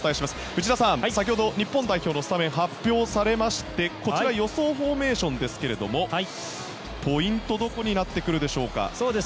内田さん、先ほど日本代表のスタメンが発表されまして、こちらが予想フォーメーションですがポイントはどこになってくるでしょうか？